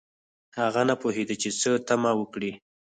هغه نه پوهیده چې څه تمه وکړي